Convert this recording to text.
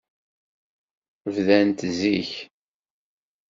Bdant zik.